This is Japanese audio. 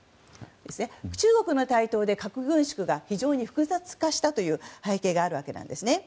中国の台頭で核軍縮が非常に複雑化したという背景があるんです。